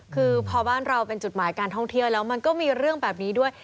คือพอบ้านเราเป็นจุดหมายการท่องเที่ยวแล้วมันก็มีเรื่องแบบนี้ด้วย